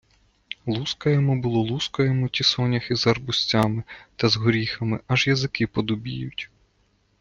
Лускаємо було, лускаємо ті соняхи з гарбузцями та з горіхами, аж язики подубіють.